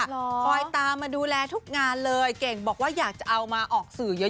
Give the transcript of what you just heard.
คอยตามมาดูแลทุกงานเลยเก่งบอกว่าอยากจะเอามาออกสื่อเยอะ